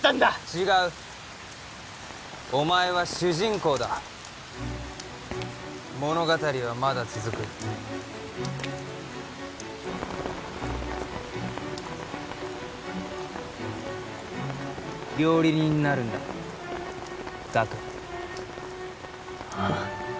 違うお前は主人公だ物語はまだ続く料理人になるんだ岳はっ？